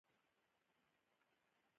زرافه تر ټولو اوږده غاړه لري